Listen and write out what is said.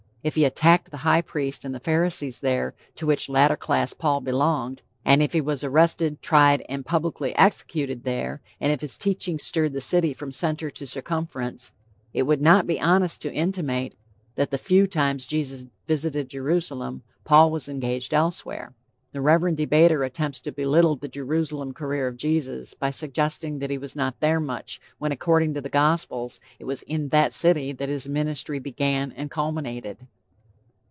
if he attacked the high priest and the pharisees there, to which latter class Paul belonged; and if he was arrested, tried and publicly executed there; and if his teaching stirred the city from center to circumference, it would not be honest to intimate that the "few" times Jesus visited Jerusalem, Paul was engaged elsewhere. The Reverend debater attempts to belittle the Jerusalem career of Jesus, by suggesting that he was not there much, when according to the Gospels, it was in that city that his ministry began and culminated.